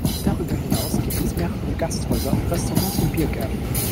Darüber hinaus gibt es mehrere Gasthäuser, Restaurants und Biergärten.